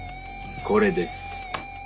これです。